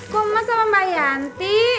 kok emak sama mbak yanti